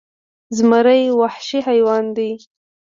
زمری وخشي حیوان دې